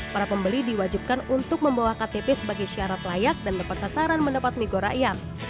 para pembeli diwajibkan untuk membawa ktp sebagai syarat layak dan tepat sasaran mendapat migo rakyat